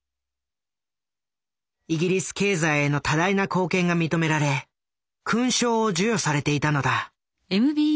イギリス経済への多大な貢献が認められ勲章を授与されていたのだ。